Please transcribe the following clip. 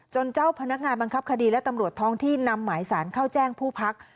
เจ้าพนักงานบังคับคดีและตำรวจท้องที่นำหมายสารเข้าแจ้งผู้พัก